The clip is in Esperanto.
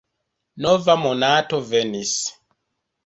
Nova monato venis.